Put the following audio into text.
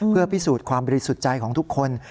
เพื่อพิสูจน์ความบริสุทธิ์ใจของทุกคน